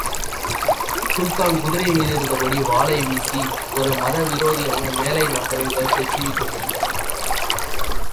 சுல்தான் குதிரை மீது இருந்தபடி, வாளை வீசி, ஒரு மதவிரோதியான மேலை நாட்டானின் கழுத்தைச் சீவிக் கொண்டிருக்கிறான்.